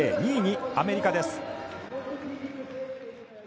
２位にアメリカです。